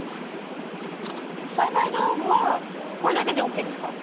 栽培道具はこれだけでＯＫですか？